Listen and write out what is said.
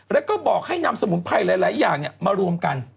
แล้วก็บอกให้นำสมุนไพรหลายอย่างมารวมกัน